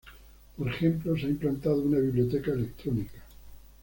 Por ejemplo se ha implantado una biblioteca electrónica.